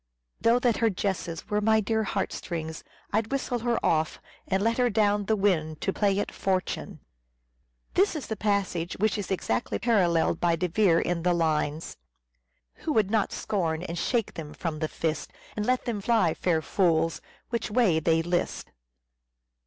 4 ' Though that her jesses were my dear heart strings I'd whistle her off, and let her down the wind To play at Fortune." This is the passage which is exactly paralleled by De Vere in the lines :" Who would not scorn and shake them from the fist And let them fly, fair fools, which way they list."